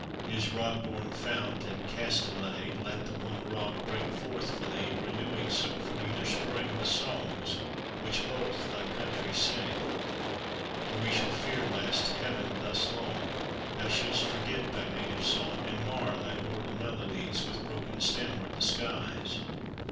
His rod born fount and Castaly Let the one rock bring forth for thee, Renewing so from either spring The songs which both thy countries sing: Or we shall fear lest, heavened thus long, Thou should'st forget thy native song, And mar thy mortal melodies With broken stammer of the skies.